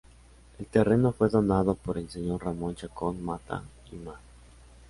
El terreno fue donado por el Sr. Ramón Chacón Mata y Ma.